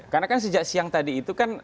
karena kan sejak siang tadi itu kan